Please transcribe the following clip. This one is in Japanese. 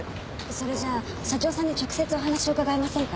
それじゃあ社長さんに直接お話を伺えませんか？